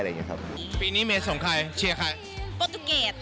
เชียร์ใครพอตุเกรด